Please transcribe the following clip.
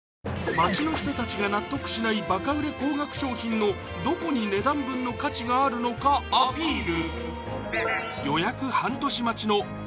街の人たちが納得しないバカ売れ高額商品のどこに値段分の価値があるのかアピール